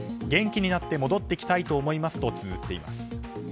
元気になって戻ってきたいと思いますとつづっています。